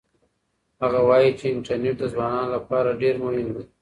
هغه وایي چې انټرنيټ د ځوانانو لپاره ډېر مهم دی.